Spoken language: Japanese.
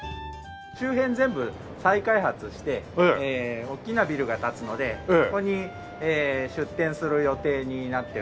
周辺全部再開発しておっきなビルが建つのでそこに出店する予定になっております。